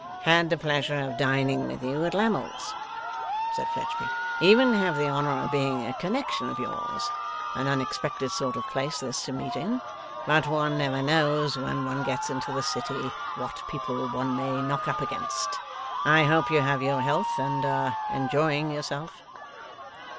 'Had the pleasure of dining with you at Lammle's,' said Fledgeby. 'Even have the honour of being a connexion of yours. An unexpected sort of place this to meet in; but one never knows, when one gets into the City, what people one may knock up against. I hope you have your health, and are enjoying yourself.